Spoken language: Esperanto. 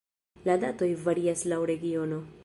La datoj varias laŭ regiono.